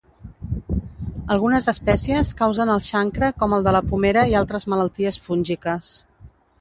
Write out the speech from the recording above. Algunes espècies causen el xancre com el de la pomera i altres malalties fúngiques.